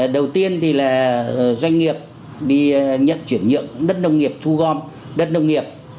đầu tiên thì là doanh nghiệp đi nhận chuyển nhượng đất nông nghiệp thu gom đất nông nghiệp